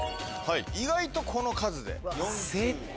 意外とこの数で。